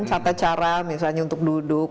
catacara misalnya untuk duduk